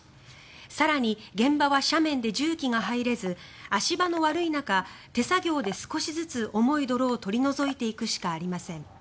更に現場は斜面で重機が入れず足場の悪い中、手作業で少しずつ重い泥を取り除いていくしかありません。